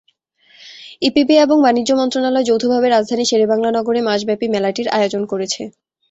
EPB এবং বাণিজ্য মন্ত্রণালয় যৌথভাবে রাজধানীর শেরেবাংলা নগরে মাসব্যাপী মেলাটির আয়োজন করেছে।